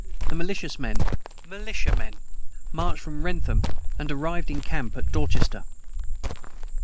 The melitious men marched from Wrentham and arived in camp at Dorchester.